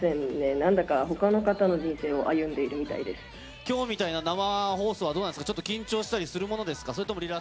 なんだかほかの方の人生を歩んできょうみたいな生放送はどうなんですか、ちょっと緊張したりするものですか？